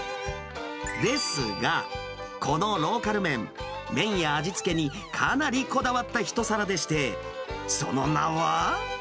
ですが、このローカル麺、麺や味付けにかなりこだわった一皿でして、その名は。